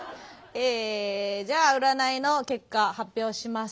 えじゃあ占いの結果発表します。